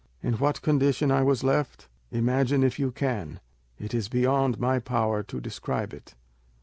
In what condition I was left, imagine if you can; it is beyond my power to describe it.